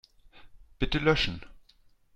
Bitte löschen.